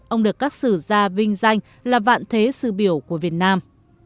ông được các sử gia vinh danh là vạn thế sư biểu của việt nam